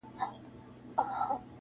سپين لاسونه د ساقي به چيري وېشي-